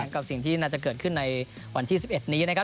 กับสิ่งที่น่าจะเกิดขึ้นในวันที่๑๑นี้นะครับ